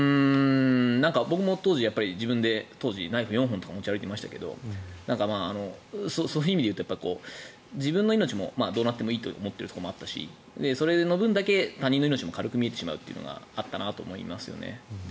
僕も当時、自分でナイフ４本とか持ち歩いてましたけどそういう意味でいうと自分の命もどうなっていいと思っているところもあったしその分だけ他人の命も軽く見えてしまうことがあったなと思いますよね。